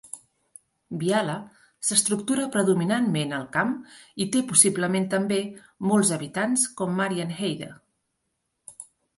Biala s'estructura predominantment al camp i té possiblement també molts habitants com Marienheide.